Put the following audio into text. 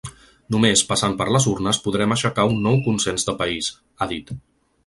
“Només passant per les urnes podrem aixecar un nou consens de país”, ha dit.